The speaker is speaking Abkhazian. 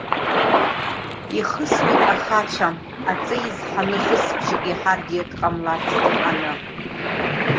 Ихысуеит ахацәа, Аҵеи изҳаны хысбжьык иаҳаргьы дҟамларц дырҳаны…